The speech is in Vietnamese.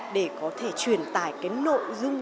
để có thể truyền tải cái nội dung